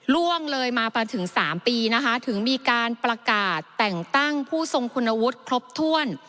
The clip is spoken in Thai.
ล่วงเลยมามาถึง๓ปีนะคะถึงมีการประกาศแต่งตั้งผู้ทรงคุณวุฒิครบถ้วน